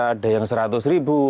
ada yang seratus ribu